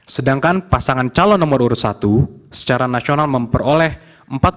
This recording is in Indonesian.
sedangkan pasangan calon nomor urut satu secara nasional memperoleh empat puluh sembilan ratus tujuh puluh satu sembilan ratus suara